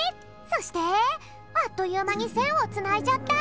そしてあっというまにせんをつないじゃった！